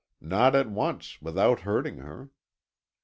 Not at once, without hurting her.